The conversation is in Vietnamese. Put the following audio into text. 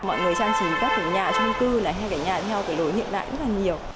mọi người trang trí các cái nhà trung cư này hay cái nhà theo cái lối hiện đại rất là nhiều